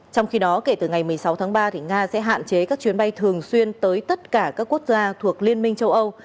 trong khi đó kể từ ngày một mươi sáu tháng ba nga sẽ hạn chế các chuyến bay thường xuyên tới tất cả các quốc gia thuộc liên minh châu âu